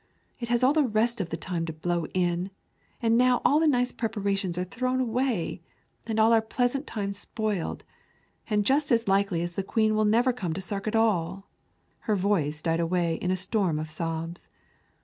It has all the rest of the time to blow in, and now all the nice preparations are thrown away, and all our pleasant time spoiled, and just as likely as not the Queen will never come to Sark at all." Her voice died away into a storm of sobs.